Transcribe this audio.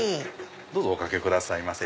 どうぞお掛けくださいませ。